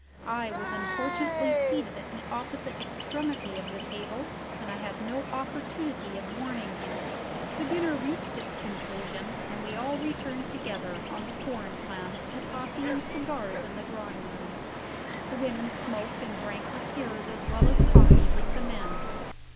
I was unfortunately seated at the opposite extremity of the table, and I had no opportunity of warning him. The dinner reached its conclusion, and we all returned together, on the foreign plan, to coffee and cigars in the drawing room. The women smoked, and drank liqueurs as well as coffee, with the men.